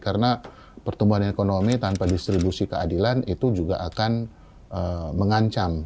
karena pertumbuhan ekonomi tanpa distribusi keadilan itu juga akan mengancam